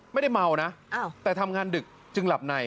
ไม่ได้เมานะแต่ทำงานดึกจึงหลับใน